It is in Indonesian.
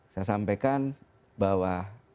saya sampaikan bahwa